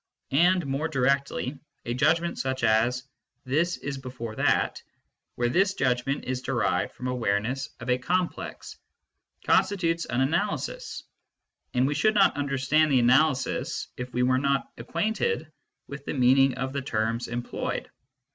And more directly : A judgment such as " this is before that," where this judg ment is derived from awareness of a complex, constitutes an analysis, and we should not understand the analysis if we were not acquainted with the meaning of the terms employed.